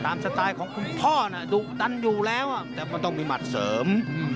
สไตล์ของคุณพ่อน่ะดุดันอยู่แล้วแต่มันต้องมีหมัดเสริม